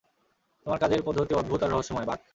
তোমার কাজের পদ্ধতি অদ্ভূত আর রহস্যময়, বাক।